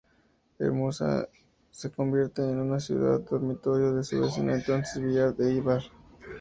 Ermua se convierte en una ciudad-dormitorio de su vecina, entonces villa de Eibar.